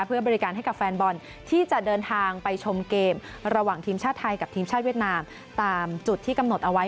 เพื่อบริการให้กับแฟนบอลที่จะเดินทางไปชมเกมระหว่างทีมชาติไทยกับทีมชาติเวียดนามตามจุดที่กำหนดเอาไว้